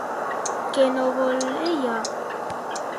Què no vol ella?